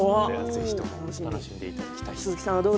ぜひとも楽しんでいただきたい。